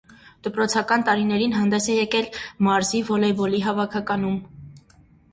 Դպրոցական տարիներին հանդես է եկել մարզի վոլեյբոլի հավաքականում։